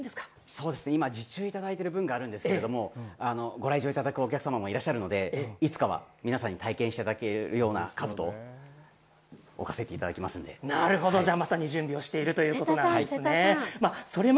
そうですね今受注いただいている分があるんですけれどもご来場いただくお客様もいらっしゃるのでいつかは皆さまに体験していただけるようなかぶとをなるほど、まさに準備をしているということですね。